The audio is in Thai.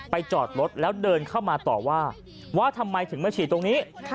จอดรถแล้วเดินเข้ามาต่อว่าว่าทำไมถึงมาฉีดตรงนี้